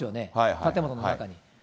建物の中に。